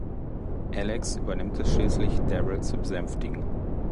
Alex übernimmt es schließlich, Daryl zu besänftigen.